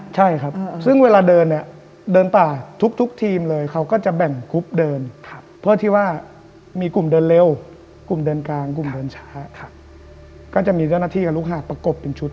ใช่ครับซึ่งเวลาเดินเนี่ยเดินปากทุกทีมเลย